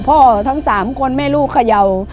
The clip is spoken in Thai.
ทั้ง๓คนแม่ลูกเขย่า